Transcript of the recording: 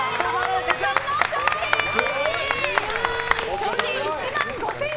賞金１万５０００円